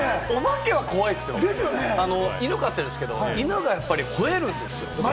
犬、飼ってるんですけれども、犬がやっぱり吠えるんです。